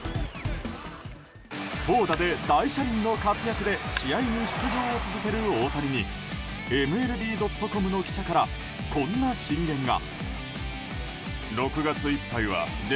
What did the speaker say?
投打で大車輪の活躍で試合に出場を続ける大谷にＭＬＢ．ｃｏｍの記者からこんな進言が。